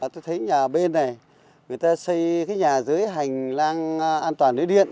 tôi thấy nhà bên này người ta xây cái nhà dưới hành lang an toàn lưới điện